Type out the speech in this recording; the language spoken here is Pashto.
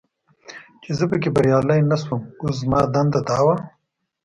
چې زه پکې بریالی نه شوم، اوس زما دنده دا وه.